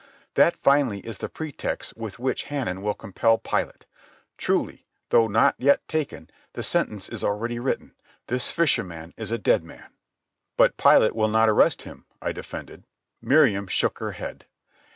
That finally is the pretext with which Hanan will compel Pilate. Truly, though not yet taken, the sentence is already written. This fisherman is a dead man." "But Pilate will not arrest him," I defended. Miriam shook her head.